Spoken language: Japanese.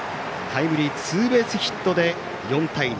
タイムリーツーベースヒットで４対２。